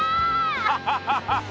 ハハハハ！